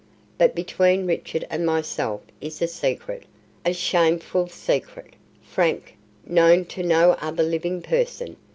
But between Richard and myself is a secret a shameful secret, Frank, known to no other living person.